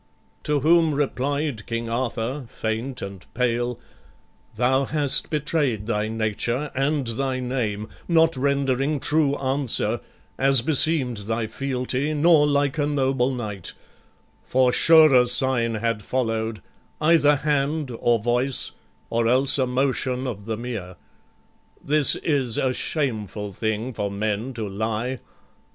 To whom replied King Arthur, faint and pale: "Thou hast betray'd thy nature and thy name, Not rendering true answer, as beseem'd Thy fealty, nor like a noble knight: For surer sign had follow'd, either hand, Or voice, or else a motion of the mere. This is a shameful thing for men to lie.